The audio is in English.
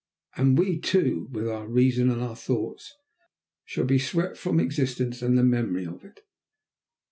And we, too, with our reason and our thoughts, shall be swept from existence and the memory of it.